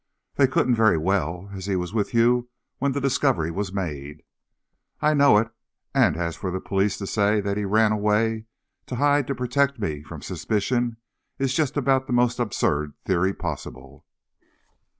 "They couldn't very well, as he was with you when the discovery was made." "I know it. And for the police to say he ran away to hide to protect me from suspicion is just about the most absurd theory possible!"